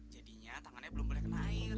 jadinya tangannya belum boleh kena air